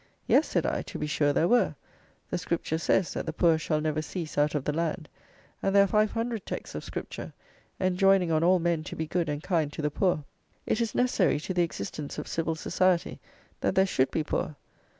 "Yes," said I, "to be sure there were. The Scripture says, that the poor shall never cease out of the land; and there are five hundred texts of Scripture enjoining on all men to be good and kind to the poor. It is necessary to the existence of civil society, that there should be poor.